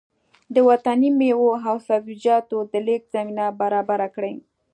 د وطني مېوو او سبزيجاتو د لېږد زمينه برابره کړي